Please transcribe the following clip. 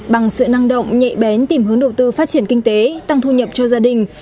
bằng sự năng động nhẹ bén tìm hướng đầu tư phát triển kinh tế tăng thu nhập cho gia đình